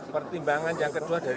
pertimbangan yang kedua